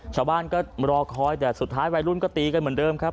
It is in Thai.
ชาวบ้านก็รอคอยแต่สุดท้ายวัยรุ่นก็ตีกันเหมือนเดิมครับ